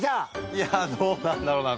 いやあどうなんだろうな？